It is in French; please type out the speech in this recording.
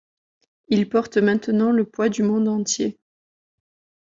Il porte maintenant le poids du monde entier.